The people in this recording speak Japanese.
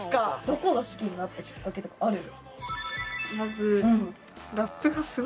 どこが好きになったきっかけとかある？